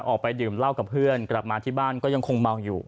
ออกไปดื่มเหล้ากับเพื่อนกลับมาที่บ้านก็ยังคงเมาอยู่